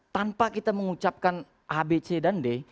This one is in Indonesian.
tanpa kita mengucapkan a b c dan d